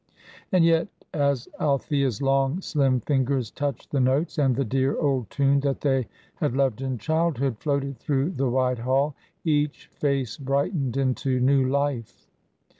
And yet, as Althea's long, slim fingers touched the notes, and the dear old tune that they had loved in childhood floated through the wide hall, each face brightened into new life.